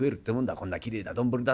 こんなきれいな丼だと。